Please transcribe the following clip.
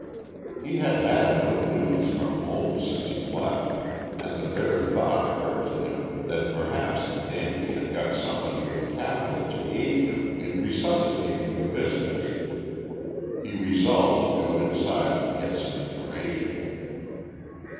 He had had no news from home since he left, and the bitter thought occurred to him that perhaps Danby had got somebody with capital to aid him in resuscitating the business. He resolved to go inside and get some information.